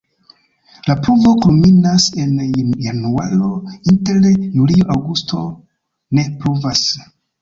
La pluvo kulminas en januaro, inter julio-aŭgusto ne pluvas.